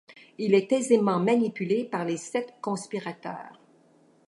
Il est aisément manipulé par les sept conspirateurs.